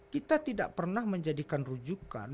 kita tidak pernah menjadikan rujukan